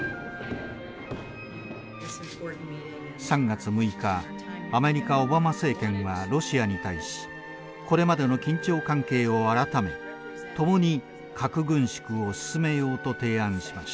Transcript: ３月６日アメリカオバマ政権はロシアに対しこれまでの緊張関係を改め共に核軍縮を進めようと提案しました。